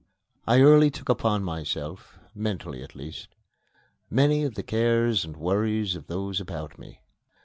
I early took upon myself, mentally at least, many of the cares and worries of those about me.